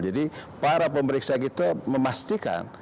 jadi para pemeriksa kita memastikan